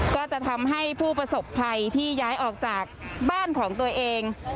ก็จะทำให้ผู้ประสบภัยที่ย้ายออกจากบ้านของตัวเอง